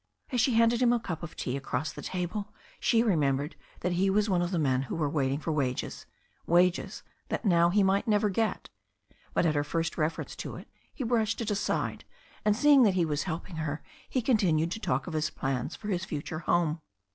As she handed him a cup of tea across the table she re membered that he was one of the men who were waiting for wages, wages that now he might never get. But at her first reference to it he brushed it aside, and seeing that he was helping her, he continued to talk of his plans for his future home.